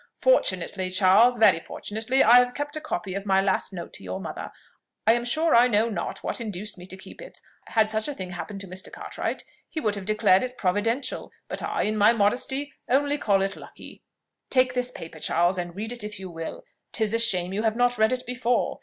"Fortunately, Charles, very fortunately, I have kept a copy of my last note to your mother. I am sure I know not what induced me to keep it: had such a thing happened to Mr. Cartwright, he would have declared it providential but I, in my modesty, only call it lucky. Take this paper, Charles, and read it if you will: 'tis a shame you have not read it before!